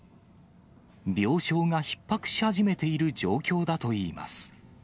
病床がひっ迫し始めている状況だといいます。